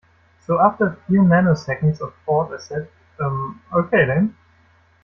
So after a few nano-seconds of thought I said, 'Um, okay then'.